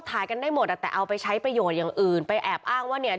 ถ่ายกันได้หมดอ่ะแต่เอาไปใช้ประโยชน์อย่างอื่นไปแอบอ้างว่าเนี่ย